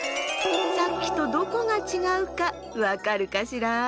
さっきとどこがちがうかわかるかしら？